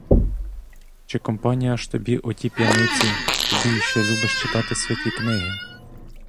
Чи компанія ж тобі оті п'яниці, тобі, що любиш читати святі книги?